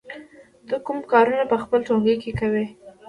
ته کوم کارونه په خپل ټولګي کې کوې؟